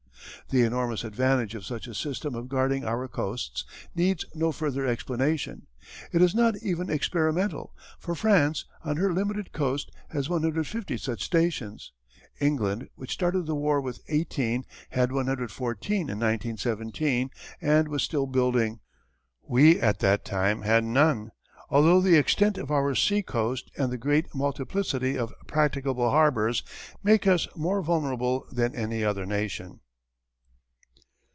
The enormous advantage of such a system of guarding our coasts needs no further explanation. It is not even experimental, for France on her limited coast has 150 such stations. England, which started the war with 18, had 114 in 1917 and was still building. We at that time had none, although the extent of our sea coast and the great multiplicity of practicable harbours make us more vulnerable than any other nation.